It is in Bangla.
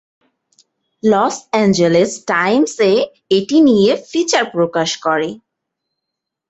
লস এঞ্জেলেস টাইমস ও এটি নিয়ে ফিচার প্রকাশ করে।